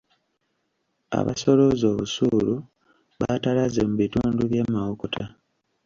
Abasolooza obusuulu baatalaaze mu bitundu by’e Mawokota.